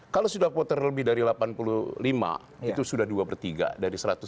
kalau sudah voter lebih dari delapan puluh lima itu sudah dua per tiga dari satu ratus tujuh puluh